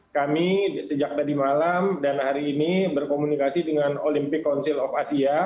kami sejak tadi malam dan hari ini berkomunikasi dengan olympic council of asia